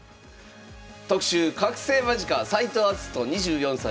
特集覚醒間近斎藤明日斗２４歳。